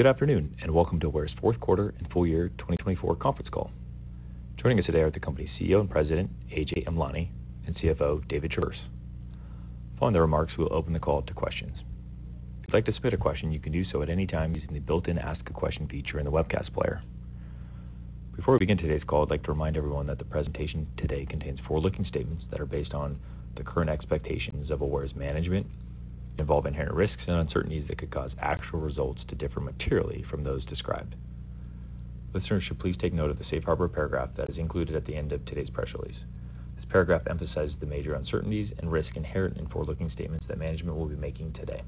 Good afternoon, and welcome to Aware's fourth quarter and full year 2024 conference call. Joining us today are the company's CEO and President, Ajay Amlani, and CFO, David Traverse. Following the remarks, we'll open the call to questions. If you'd like to submit a question, you can do so at any time using the built-in Ask a Question feature in the webcast player. Before we begin today's call, I'd like to remind everyone that the presentation today contains forward-looking statements that are based on the current expectations of Aware's management, involve inherent risks and uncertainties that could cause actual results to differ materially from those described. Listeners should please take note of the safe harbor paragraph that is included at the end of today's press release. This paragraph emphasizes the major uncertainties and risks inherent in forward-looking statements that management will be making today.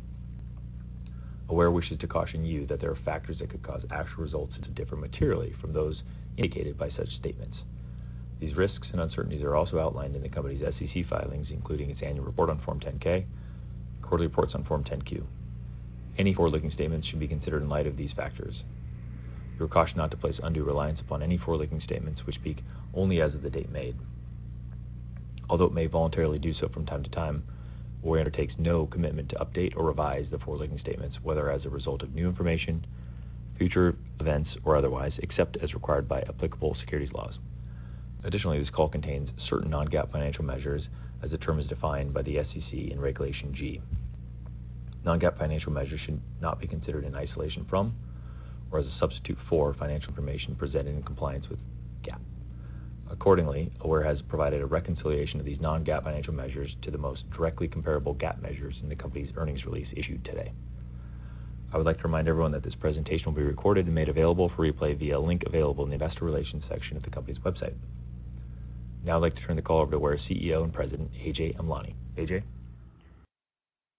Aware wishes to caution you that there are factors that could cause actual results to differ materially from those indicated by such statements. These risks and uncertainties are also outlined in the company's SEC filings, including its annual report on Form 10-K and quarterly reports on Form 10-Q. Any forward-looking statements should be considered in light of these factors. We're cautioned not to place undue reliance upon any forward-looking statements which speak only as of the date made. Although it may voluntarily do so from time to time, Aware undertakes no commitment to update or revise the forward-looking statements, whether as a result of new information, future events, or otherwise, except as required by applicable securities laws. Additionally, this call contains certain non-GAAP financial measures, as the term is defined by the SEC in Regulation G. Non-GAAP financial measures should not be considered in isolation from or as a substitute for financial information presented in compliance with GAAP. Accordingly, Aware has provided a reconciliation of these non-GAAP financial measures to the most directly comparable GAAP measures in the company's earnings release issued today. I would like to remind everyone that this presentation will be recorded and made available for replay via a link available in the investor relations section of the company's website. Now, I'd like to turn the call over to Aware's CEO and President, Ajay Amlani. Ajay?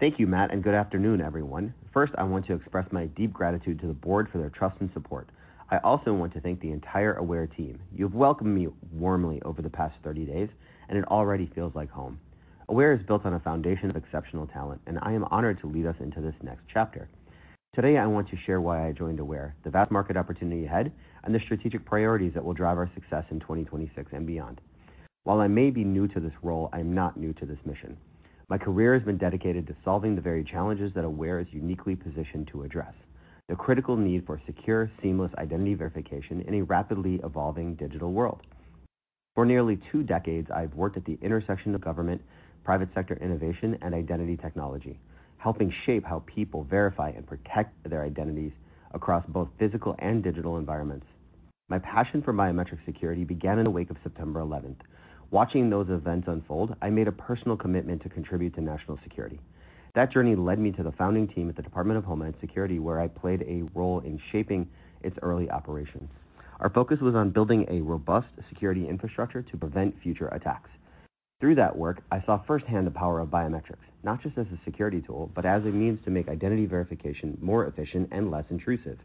Thank you, Matt, and good afternoon, everyone. First, I want to express my deep gratitude to the board for their trust and support. I also want to thank the entire Aware team. You've welcomed me warmly over the past 30 days, and it already feels like home. Aware is built on a foundation of exceptional talent, and I am honored to lead us into this next chapter. Today, I want to share why I joined Aware, the vast market opportunity ahead, and the strategic priorities that will drive our success in 2026 and beyond. While I may be new to this role, I am not new to this mission. My career has been dedicated to solving the very challenges that Aware is uniquely positioned to address: the critical need for secure, seamless identity verification in a rapidly evolving digital world. For nearly two decades, I've worked at the intersection of government, private sector innovation, and identity technology, helping shape how people verify and protect their identities across both physical and digital environments. My passion for biometric security began in the wake of September 11th. Watching those events unfold, I made a personal commitment to contribute to national security. That journey led me to the founding team at the Department of Homeland Security, where I played a role in shaping its early operations. Our focus was on building a robust security infrastructure to prevent future attacks. Through that work, I saw firsthand the power of biometrics, not just as a security tool, but as a means to make identity verification more efficient and less intrusive.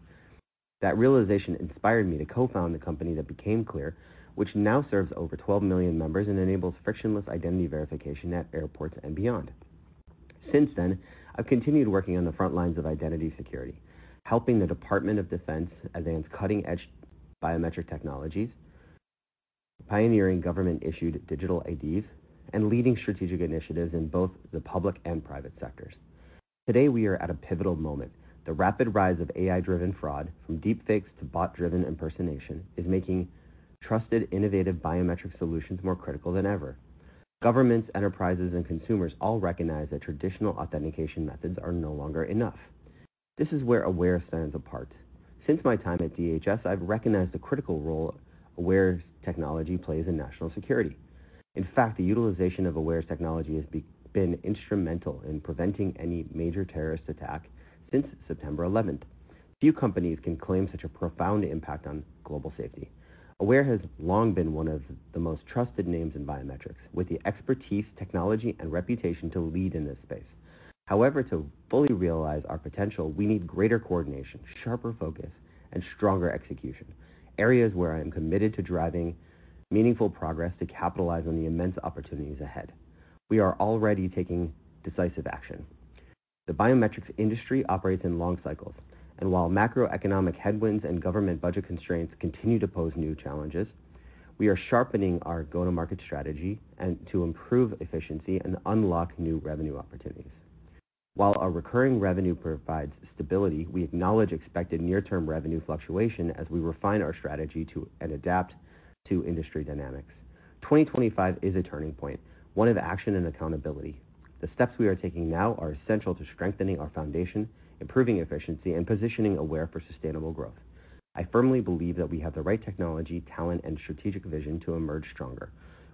That realization inspired me to co-found the company that became Clear, which now serves over 12 million members and enables frictionless identity verification at airports and beyond. Since then, I've continued working on the front lines of identity security, helping the Department of Defense advance cutting-edge biometric technologies, pioneering government-issued digital IDs, and leading strategic initiatives in both the public and private sectors. Today, we are at a pivotal moment. The rapid rise of AI-driven fraud, from deepfakes to bot-driven impersonation, is making trusted, innovative biometric solutions more critical than ever. Governments, enterprises, and consumers all recognize that traditional authentication methods are no longer enough. This is where Aware stands apart. Since my time at DHS, I've recognized the critical role Aware's technology plays in national security. In fact, the utilization of Aware's technology has been instrumental in preventing any major terrorist attack since September 11th. Few companies can claim such a profound impact on global safety. Aware has long been one of the most trusted names in biometrics, with the expertise, technology, and reputation to lead in this space. However, to fully realize our potential, we need greater coordination, sharper focus, and stronger execution, areas where I am committed to driving meaningful progress to capitalize on the immense opportunities ahead. We are already taking decisive action. The biometrics industry operates in long cycles, and while macroeconomic headwinds and government budget constraints continue to pose new challenges, we are sharpening our go-to-market strategy to improve efficiency and unlock new revenue opportunities. While our recurring revenue provides stability, we acknowledge expected near-term revenue fluctuation as we refine our strategy and adapt to industry dynamics. 2025 is a turning point, one of action and accountability. The steps we are taking now are essential to strengthening our foundation, improving efficiency, and positioning Aware for sustainable growth. I firmly believe that we have the right technology, talent, and strategic vision to emerge stronger.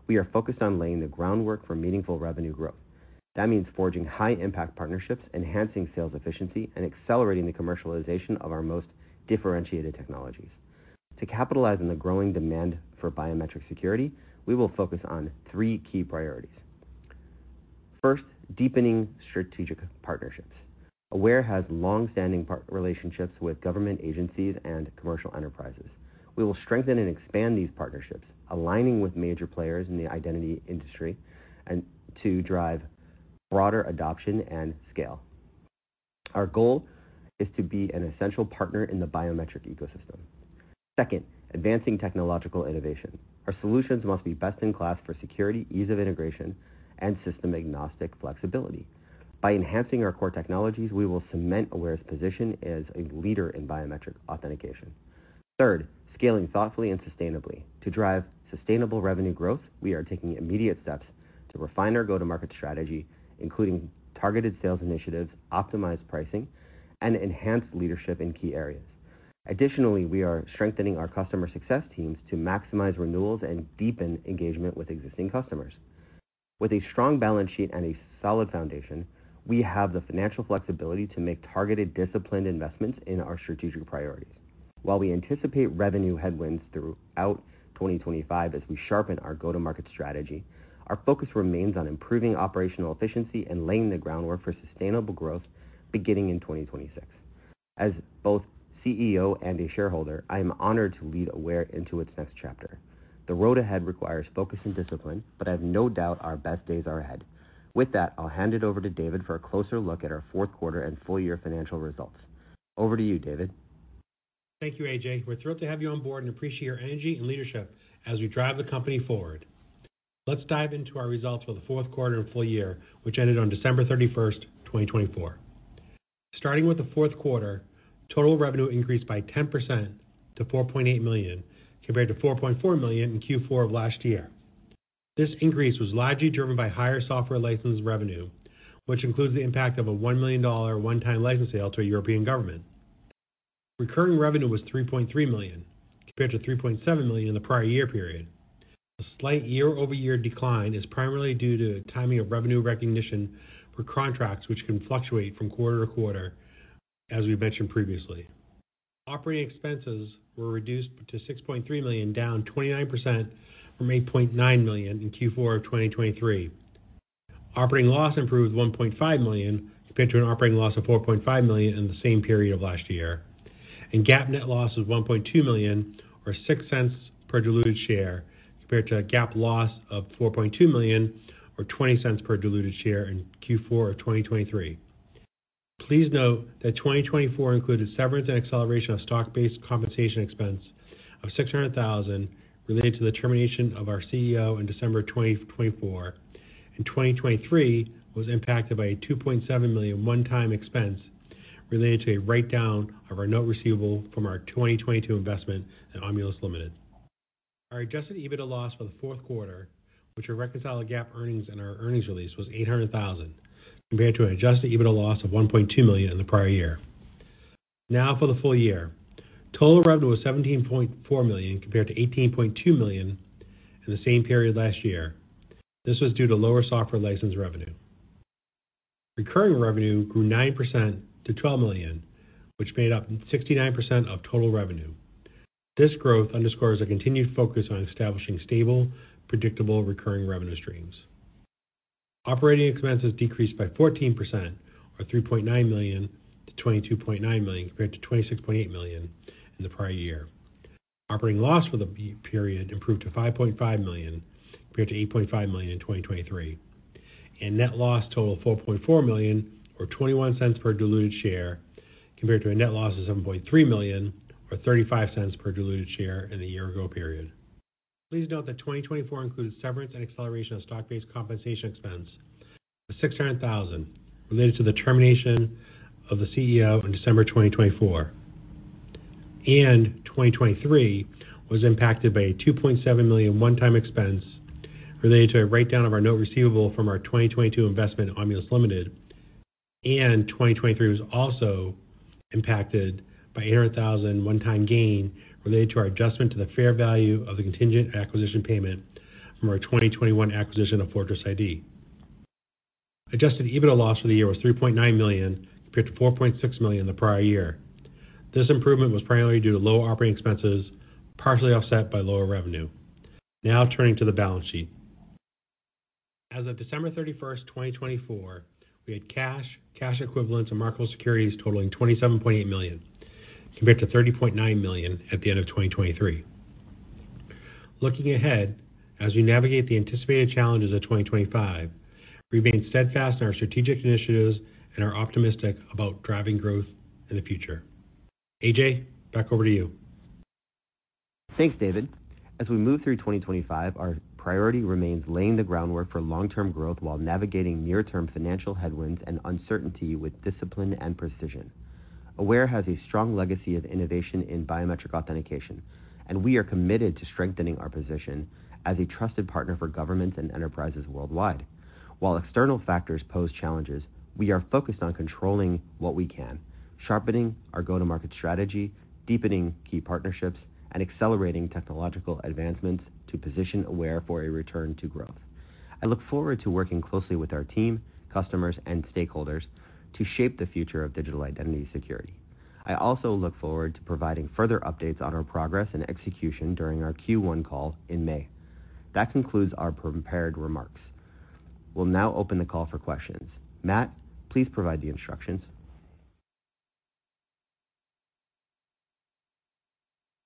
We are focused on laying the groundwork for meaningful revenue growth. That means forging high-impact partnerships, enhancing sales efficiency, and accelerating the commercialization of our most differentiated technologies. To capitalize on the growing demand for biometric security, we will focus on three key priorities. First, deepening strategic partnerships. Aware has long-standing relationships with government agencies and commercial enterprises. We will strengthen and expand these partnerships, aligning with major players in the identity industry to drive broader adoption and scale. Our goal is to be an essential partner in the biometric ecosystem. Second, advancing technological innovation. Our solutions must be best in class for security, ease of integration, and system-agnostic flexibility. By enhancing our core technologies, we will cement Aware's position as a leader in biometric authentication. Third, scaling thoughtfully and sustainably. To drive sustainable revenue growth, we are taking immediate steps to refine our go-to-market strategy, including targeted sales initiatives, optimized pricing, and enhanced leadership in key areas. Additionally, we are strengthening our customer success teams to maximize renewals and deepen engagement with existing customers. With a strong balance sheet and a solid foundation, we have the financial flexibility to make targeted, disciplined investments in our strategic priorities. While we anticipate revenue headwinds throughout 2025 as we sharpen our go-to-market strategy, our focus remains on improving operational efficiency and laying the groundwork for sustainable growth beginning in 2026. As both CEO and a shareholder, I am honored to lead Aware into its next chapter. The road ahead requires focus and discipline, but I have no doubt our best days are ahead. With that, I'll hand it over to David for a closer look at our fourth quarter and full year financial results. Over to you, David. Thank you, Ajay. We're thrilled to have you on board and appreciate your energy and leadership as we drive the company forward. Let's dive into our results for the fourth quarter and full year, which ended on December 31, 2024. Starting with the fourth quarter, total revenue increased by 10% to $4.8 million, compared to $4.4 million in Q4 of last year. This increase was largely driven by higher software license revenue, which includes the impact of a $1 million one-time license sale to a European government. Recurring revenue was $3.3 million, compared to $3.7 million in the prior year period. A slight year-over-year decline is primarily due to timing of revenue recognition for contracts, which can fluctuate from quarter to quarter, as we mentioned previously. Operating expenses were reduced to $6.3 million, down 29% from $8.9 million in Q4 of 2023. Operating loss improved $1.5 million, compared to an operating loss of $4.5 million in the same period of last year. GAAP net loss was $1.2 million, or $0.06 per diluted share, compared to a GAAP loss of $4.2 million, or $0.20 per diluted share in Q4 of 2023. Please note that 2024 included severance and acceleration of stock-based compensation expense of $600,000 related to the termination of our CEO in December 2024. In 2023, it was impacted by a $2.7 million one-time expense related to a write-down of our note receivable from our 2022 investment at Omlis Limited. Our adjusted EBITDA loss for the fourth quarter, which would reconcile our GAAP earnings and our earnings release, was $800,000, compared to an adjusted EBITDA loss of $1.2 million in the prior year. Now for the full year. Total revenue was $17.4 million, compared to $18.2 million in the same period last year. This was due to lower software license revenue. Recurring revenue grew 9% to $12 million, which made up 69% of total revenue. This growth underscores a continued focus on establishing stable, predictable recurring revenue streams. Operating expenses decreased by 14%, or $3.9 million, to $22.9 million, compared to $26.8 million in the prior year. Operating loss for the period improved to $5.5 million, compared to $8.5 million in 2023. Net loss totaled $4.4 million, or $0.21 per diluted share, compared to a net loss of $7.3 million, or $0.35 per diluted share in the year-ago period. Please note that 2024 included severance and acceleration of stock-based compensation expense of $600,000, related to the termination of the CEO in December 2024. year 2023 was impacted by a $2.7 million one-time expense related to a write-down of our note receivable from our 2022 investment, Omlis Limited. The year 2023 was also impacted by a $800,000 one-time gain, related to our adjustment to the fair value of the contingent acquisition payment from our 2021 acquisition of Fortress ID. Adjusted EBITDA loss for the year was $3.9 million, compared to $4.6 million in the prior year. This improvement was primarily due to low operating expenses, partially offset by lower revenue. Now turning to the balance sheet. As of December 31, 2024, we had cash, cash equivalents, and marketable securities totaling $27.8 million, compared to $30.9 million at the end of 2023. Looking ahead, as we navigate the anticipated challenges of 2025, we remain steadfast in our strategic initiatives and are optimistic about driving growth in the future. Ajay, back over to you. Thanks, David. As we move through 2025, our priority remains laying the groundwork for long-term growth while navigating near-term financial headwinds and uncertainty with discipline and precision. Aware has a strong legacy of innovation in biometric authentication, and we are committed to strengthening our position as a trusted partner for governments and enterprises worldwide. While external factors pose challenges, we are focused on controlling what we can, sharpening our go-to-market strategy, deepening key partnerships, and accelerating technological advancements to position Aware for a return to growth. I look forward to working closely with our team, customers, and stakeholders to shape the future of digital identity security. I also look forward to providing further updates on our progress and execution during our Q1 call in May. That concludes our prepared remarks. We'll now open the call for questions. Matt, please provide the instructions.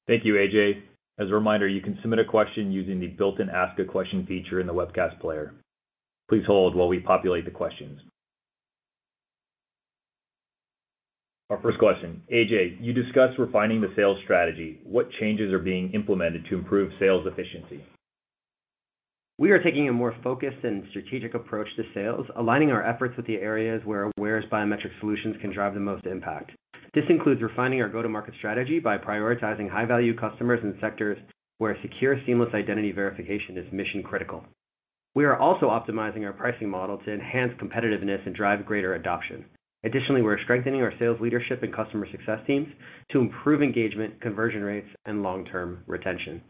Thank you, Ajay. As a reminder, you can submit a question using the built-in Ask a Question feature in the webcast player. Please hold while we populate the questions. Our first question. Ajay, you discussed refining the sales strategy. What changes are being implemented to improve sales efficiency? We are taking a more focused and strategic approach to sales, aligning our efforts with the areas where Aware's biometric solutions can drive the most impact. This includes refining our go-to-market strategy by prioritizing high-value customers in sectors where secure, seamless identity verification is mission-critical. We are also optimizing our pricing model to enhance competitiveness and drive greater adoption. Additionally, we're strengthening our sales leadership and customer success teams to improve engagement, conversion rates, and long-term retention.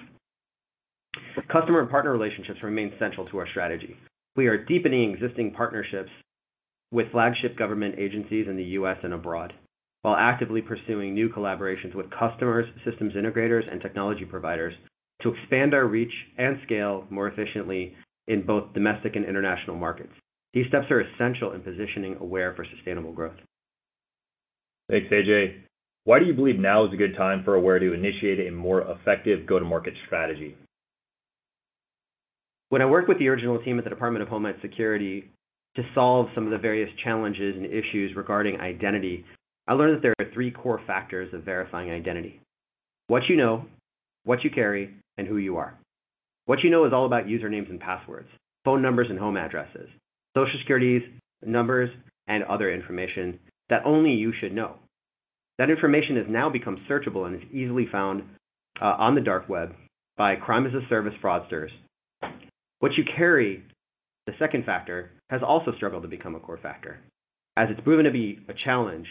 Customer and partner relationships remain central to our strategy. We are deepening existing partnerships with flagship government agencies in the U.S. and abroad, while actively pursuing new collaborations with customers, systems integrators, and technology providers to expand our reach and scale more efficiently in both domestic and international markets. These steps are essential in positioning Aware for sustainable growth. Thanks, Ajay. Why do you believe now is a good time for Aware to initiate a more effective go-to-market strategy? When I worked with the original team at the Department of Homeland Security to solve some of the various challenges and issues regarding identity, I learned that there are three core factors of verifying identity: what you know, what you carry, and who you are. What you know is all about usernames and passwords, phone numbers and home addresses, social security numbers, and other information that only you should know. That information has now become searchable and is easily found on the dark web by crime-as-a-service fraudsters. What you carry, the second factor, has also struggled to become a core factor, as it's proven to be a challenge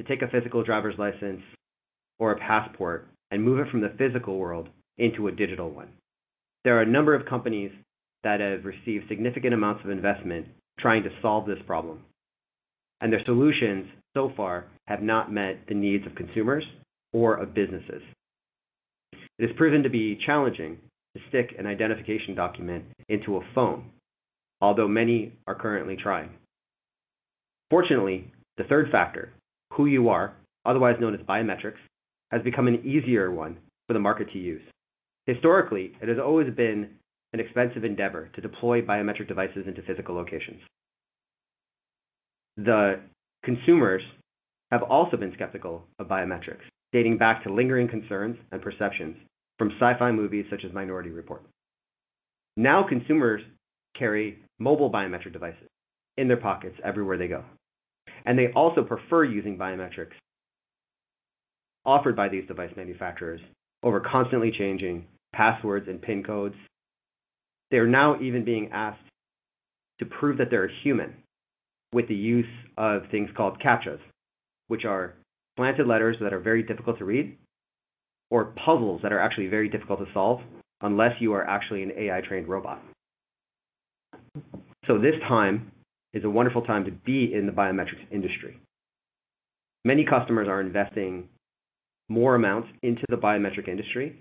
to take a physical driver's license or a passport and move it from the physical world into a digital one. There are a number of companies that have received significant amounts of investment trying to solve this problem, and their solutions so far have not met the needs of consumers or of businesses. It has proven to be challenging to stick an identification document into a phone, although many are currently trying. Fortunately, the third factor, who you are, otherwise known as biometrics, has become an easier one for the market to use. Historically, it has always been an expensive endeavor to deploy biometric devices into physical locations. The consumers have also been skeptical of biometrics, dating back to lingering concerns and perceptions from sci-fi movies such as Minority Report. Now consumers carry mobile biometric devices in their pockets everywhere they go, and they also prefer using biometrics offered by these device manufacturers over constantly changing passwords and PIN codes. They are now even being asked to prove that they're a human with the use of things called CAPTCHAs, which are slanted letters that are very difficult to read, or puzzles that are actually very difficult to solve unless you are actually an AI-trained robot. This time is a wonderful time to be in the biometrics industry. Many customers are investing more amounts into the biometric industry,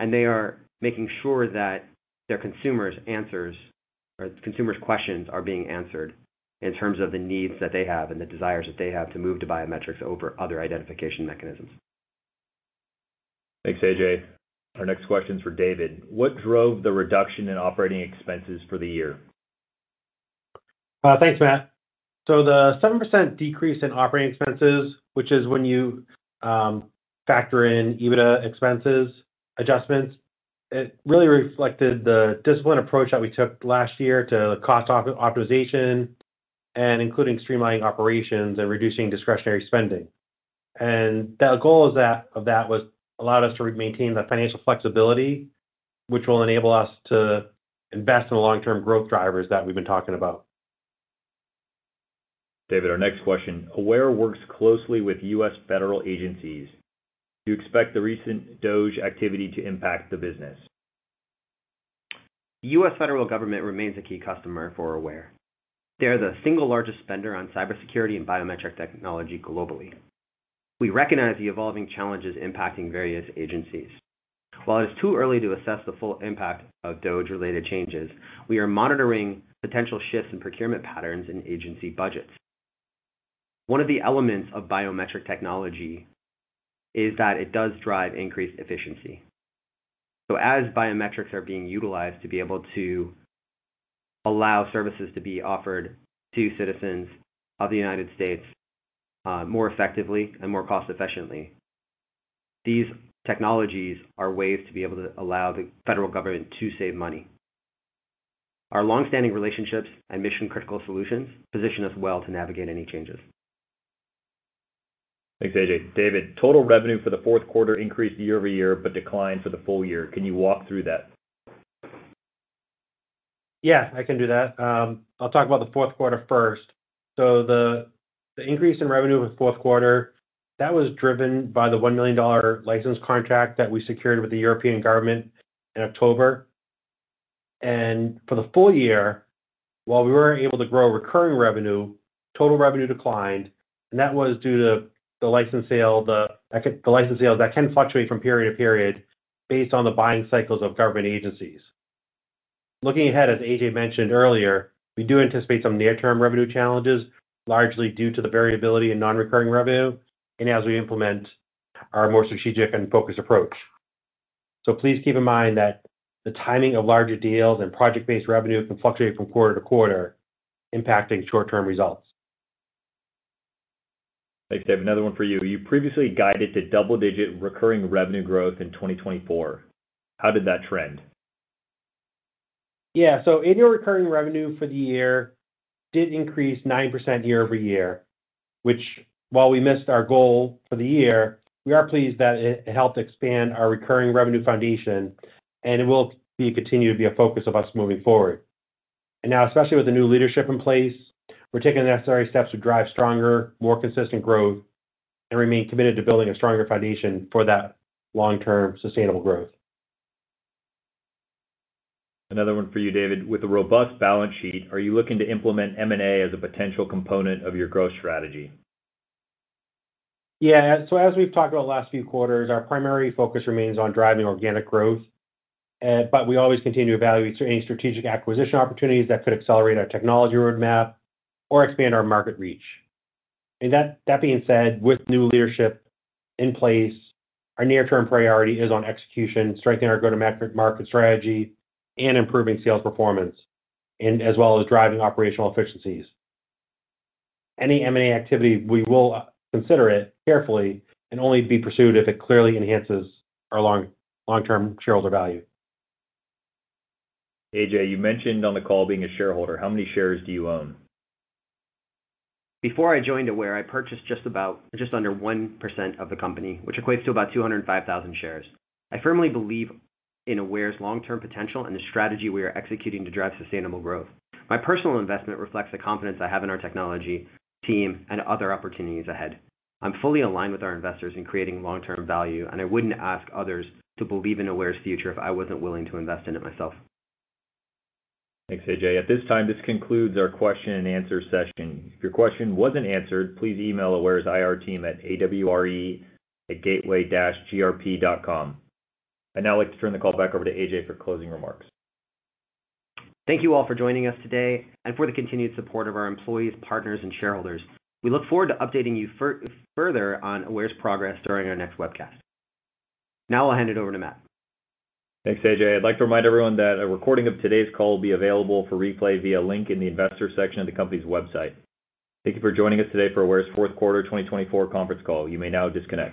and they are making sure that their consumers' answers or consumers' questions are being answered in terms of the needs that they have and the desires that they have to move to biometrics over other identification mechanisms. Thanks, Ajay. Our next question is for David. What drove the reduction in operating expenses for the year? Thanks, Matt. The 7% decrease in operating expenses, which is when you factor in EBITDA expenses adjustments, it really reflected the discipline approach that we took last year to cost optimization and including streamlining operations and reducing discretionary spending. The goal of that was allowed us to maintain the financial flexibility, which will enable us to invest in the long-term growth drivers that we've been talking about. David, our next question. Aware works closely with U.S. federal agencies. Do you expect the recent DOGE activity to impact the business? The U.S. federal government remains a key customer for Aware. They are the single largest spender on cybersecurity and biometric technology globally. We recognize the evolving challenges impacting various agencies. While it is too early to assess the full impact of DOGE-related changes, we are monitoring potential shifts in procurement patterns and agency budgets. One of the elements of biometric technology is that it does drive increased efficiency. As biometrics are being utilized to be able to allow services to be offered to citizens of the United States more effectively and more cost-efficiently, these technologies are ways to be able to allow the federal government to save money. Our long-standing relationships and mission-critical solutions position us well to navigate any changes. Thanks, Ajay. David, total revenue for the fourth quarter increased year over year, but declined for the full year. Can you walk through that? Yeah, I can do that. I'll talk about the fourth quarter first. The increase in revenue for the fourth quarter was driven by the $1 million license contract that we secured with the European government in October. For the full year, while we were able to grow recurring revenue, total revenue declined, and that was due to the license sales. The license sales can fluctuate from period to period based on the buying cycles of government agencies. Looking ahead, as Ajay mentioned earlier, we do anticipate some near-term revenue challenges, largely due to the variability in non-recurring revenue, and as we implement our more strategic and focused approach. Please keep in mind that the timing of larger deals and project-based revenue can fluctuate from quarter to quarter, impacting short-term results. Thanks, David. Another one for you. You previously guided to double-digit recurring revenue growth in 2024. How did that trend? Yeah, annual recurring revenue for the year did increase 9% year over year, which, while we missed our goal for the year, we are pleased that it helped expand our recurring revenue foundation, and it will continue to be a focus of us moving forward. Now, especially with the new leadership in place, we're taking the necessary steps to drive stronger, more consistent growth and remain committed to building a stronger foundation for that long-term sustainable growth. Another one for you, David. With a robust balance sheet, are you looking to implement M&A as a potential component of your growth strategy? Yeah, so as we've talked about last few quarters, our primary focus remains on driving organic growth, but we always continue to evaluate any strategic acquisition opportunities that could accelerate our technology roadmap or expand our market reach. That being said, with new leadership in place, our near-term priority is on execution, strengthening our go-to-market strategy, and improving sales performance, as well as driving operational efficiencies. Any M&A activity, we will consider it carefully and only be pursued if it clearly enhances our long-term shareholder value. Ajay, you mentioned on the call being a shareholder. How many shares do you own? Before I joined Aware, I purchased just under 1% of the company, which equates to about 205,000 shares. I firmly believe in Aware's long-term potential and the strategy we are executing to drive sustainable growth. My personal investment reflects the confidence I have in our technology team and other opportunities ahead. I'm fully aligned with our investors in creating long-term value, and I wouldn't ask others to believe in Aware's future if I wasn't willing to invest in it myself. Thanks, Ajay. At this time, this concludes our question-and-answer session. If your question wasn't answered, please email Aware's IR team at awre@gateway-grp.com. I'd now like to turn the call back over to Ajay for closing remarks. Thank you all for joining us today and for the continued support of our employees, partners, and shareholders. We look forward to updating you further on Aware's progress during our next webcast. Now I'll hand it over to Matt. Thanks, Ajay. I'd like to remind everyone that a recording of today's call will be available for replay via a link in the investor section of the company's website. Thank you for joining us today for Aware's fourth quarter 2024 conference call. You may now disconnect.